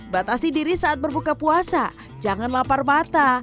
batasi diri saat berbuka puasa jangan lapar mata